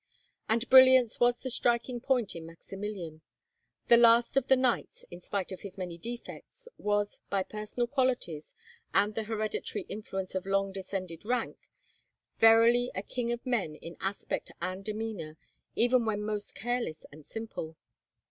And brilliance was the striking point in Maximilian. The Last of the Knights, in spite of his many defects, was, by personal qualities, and the hereditary influence of long descended rank, verily a king of men in aspect and demeanour, even when most careless and simple.